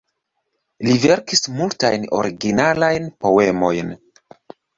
Li verkis multajn originalajn poemojn.